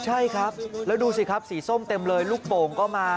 ใช่ครับแล้วดูสิครับสีส้มเต็มเลยลูกโป่งก็มา